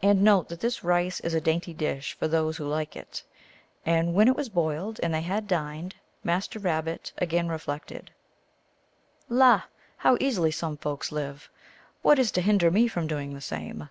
And note that this rice is a dainty dish for those who like it. And when it was boiled, and they had dined, Master Rabbit again reflected, " La ! how easily some folks live ! What is to hinder me from doing the same